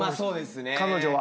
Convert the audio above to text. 彼女は。